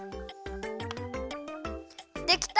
できた！